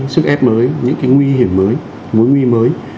sức ép mới những cái nguy hiểm mới